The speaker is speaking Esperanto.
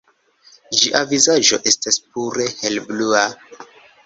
Ĝia vizaĝo estas pure helblua.